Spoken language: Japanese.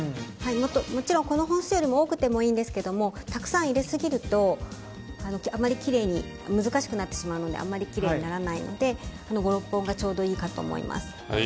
もちろん、この本数よりも多くてもいいんですけどたくさん入れすぎると難しくなってしまってあまりきれいにならないので５６本がちょうどいいかと思います。